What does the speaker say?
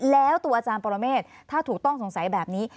แล้วตัวอาจารย์ปรเมฆถ้าถูกต้องสงสัยแบบนี้